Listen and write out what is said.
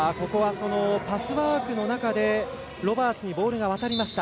パスワークの中でロバーツにボールが渡りました。